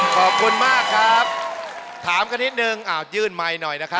ขอบคุณมากครับถามกันนิดนึงยื่นไมค์หน่อยนะครับ